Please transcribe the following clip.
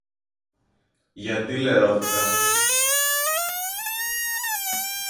Γιατί λερώθηκαν;